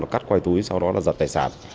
cắt quay túi sau đó là giật tài sản